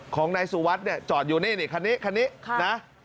ของนายสุวัสดิ์จอดอยู่นี่คันนี้คันนี้